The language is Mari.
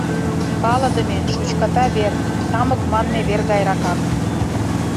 Палыдыме, шучката вер, тамык манме вер гайракак.